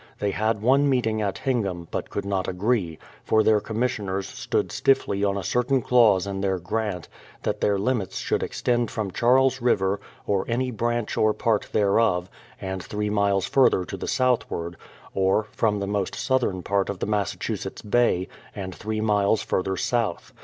They had one meeting at Hingam, but could not agree ; for their commissioners stood stiffly on a certain clause in their grant : that their limits should extend from Charles River, or any branch or part thereof, and 3 miles further to the southward; or, from the most southern part of the Massachusetts Bay, and 3 miles further south.